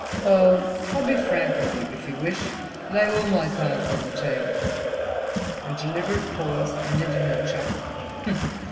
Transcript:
Oh, I'll be frank with you, if you wish, lay all my cards on the table." A deliberate pause ended in a chuckle.